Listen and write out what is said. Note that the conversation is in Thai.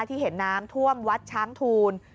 ที่เห็นน้ำท่วมวัดช้างทูล